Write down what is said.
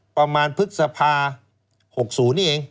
ประมาณพฤษภา๖ศูนย์นี่เอง